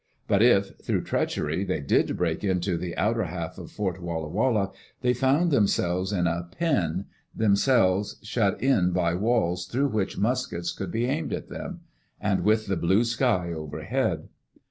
But if, through treachery, they did break into the outer half of Fort Walla Walla, they found themselves in a "pen*' — themselves shut in by walls through which muskets could be aimed at them — and with the blue sky overhead.